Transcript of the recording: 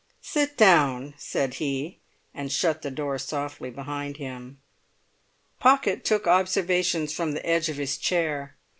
"Sit down," said he, and shut the door softly behind him. Pocket took observations from the edge of his chair.